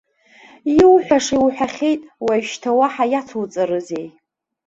Иуҳәаша уҳәахьеит, уажәшьҭа уаҳа иацуҵарызеи?